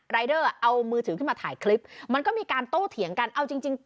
รายเดอร์เอามือถือขึ้นมาถ่ายคลิปมันก็มีการโต้เถียงกันเอาจริงจริง